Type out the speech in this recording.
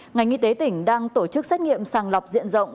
ngành y tế tỉnh đang tổ chức xét nghiệm sàng lọc diện rộng